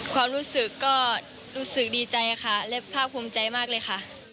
ความรู้สึกก็รู้สึกดีใจค่ะและภาคภูมิใจมากเลยค่ะ